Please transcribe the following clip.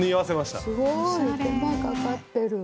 すごい手間かかってる。